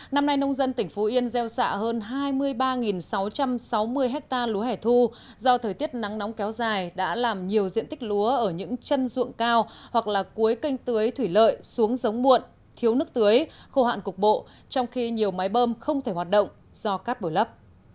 năm nay nông dân tỉnh phú yên gieo xạ hơn hai mươi ba sáu trăm sáu mươi ha lúa hẻ thu do thời tiết nắng nóng kéo dài đã làm nhiều diện tích lúa ở những chân ruộng cao hoặc là cuối canh tưới thủy lợi xuống giống muộn thiếu nước tưới khô hạn cục bộ trong khi nhiều máy bơm không thể hoạt động do cát bồi lấp